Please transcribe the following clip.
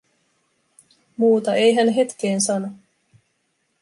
Muuta ei hän hetkeen sano.